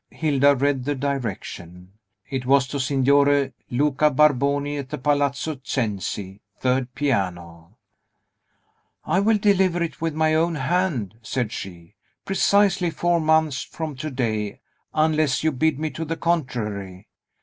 Hilda read the direction; it was to Signore Luca Barboni, at the Plazzo Cenci, third piano. "I will deliver it with my own hand," said she, "precisely four months from to day, unless you bid me to the contrary.